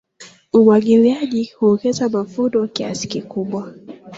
Umwagiliaji huongeza mavuno kiasi kikubwa.